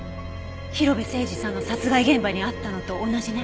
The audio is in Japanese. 広辺誠児さんの殺害現場にあったのと同じね。